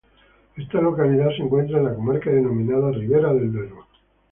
Esta localidad se encuentra en la comarca denominada Ribera del Duero.